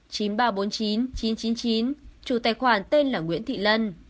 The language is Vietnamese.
tám trăm linh một chín nghìn ba trăm bốn mươi chín chín trăm chín mươi chín chủ tài khoản tên là nguyễn thị lân